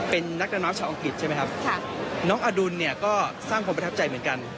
เป็นนักดำน้ำชาวอังกฤษใช่ไหมครับน้องอดุลเนี่ยก็สร้างความประทับใจเหมือนกัน